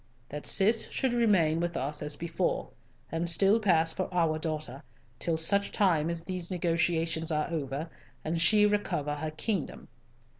"That Cis should remain with us as before, and still pass for our daughter, till such time as these negotiations are over, and she recover her kingdom.